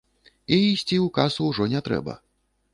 І ісці ў касу ўжо не трэба.